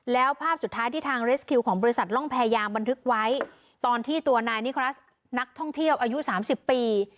แล้วภาพสุดท้ายที่ทางเรสคิวของบริษัทร่องแพรยางบันทึกไว้ตอนที่ตัวนายนิครัสนักท่องเที่ยวอายุสามสิบปี